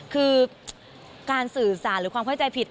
คือการสื่อสารหรือความเข้าใจผิด